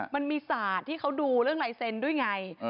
มันมีศาสตร์ที่เขาดูเรื่องลายเซ็นต์ด้วยไง